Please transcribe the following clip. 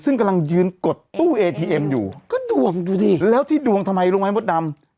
ซึ่งกำลังยืนกดตู้เอทีเอ็มอยู่ก็ดวงดูดิแล้วที่ดวงทำไมรู้ไหมมดดำ